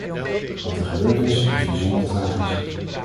Wat er gebeurd is, is bijzonder tragisch.